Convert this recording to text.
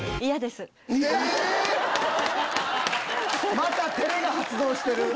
また照れが発動してる。